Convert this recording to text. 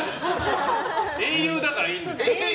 英雄だからいいんですよ。